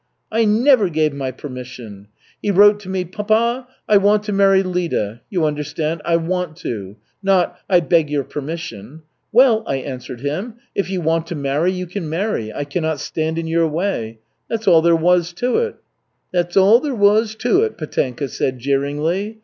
"I never gave my permission. He wrote to me, 'Papa, I want to marry Lida,' you understand, 'I want to,' not 'I beg your permission.' Well, I answered him, 'If you want to marry, you can marry. I cannot stand in your way.' That's all there was to it." "That's all there was to it," Petenka said jeeringly.